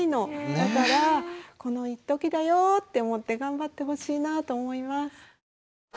だから「このいっときだよ」って思って頑張ってほしいなと思います。